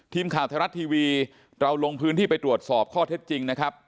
ทีมข่าวไทยรัฐทีวีเราลงพื้นที่ไปตรวจสอบข้อเท็จจริงนะครับ